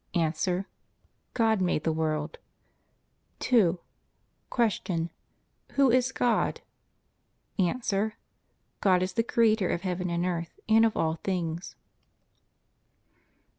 A. God made the world. 2. Q. Who is God? A. God is the Creator of heaven and earth, and of all things.